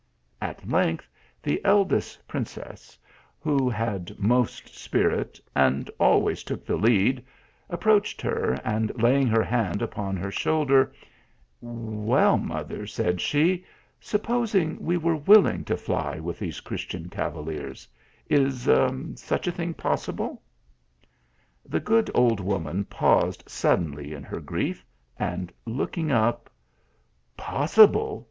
At length the eldest princess, who had most spirit, and always took the lead, approached her, and laying her hand upon her shoulder "Well, mother," said she, " supposing we were willing to fly with these Christian cavaliers is such a thing possible?" The good old woman paused suddenly in her grief, and looking up " Possible